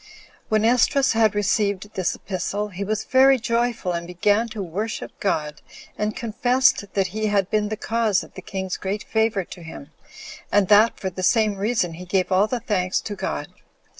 2. When Esdras had received this epistle, he was very joyful, and began to worship God, and confessed that he had been the cause of the king's great favor to him, and that for the same reason he gave all the thanks to God.